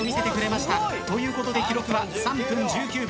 ということで記録は３分１９秒。